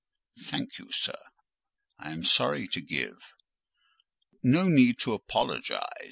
"Thank you, sir; I am sorry to give—" "Oh, no need to apologise!